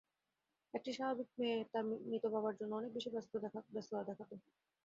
একটি স্বাভাবিক মেয়ে তার মৃত বাবার জন্যে অনেক বেশি ব্যস্ততা দেখাত।